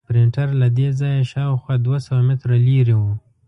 پرنټر له دې ځایه شاوخوا دوه سوه متره لرې و.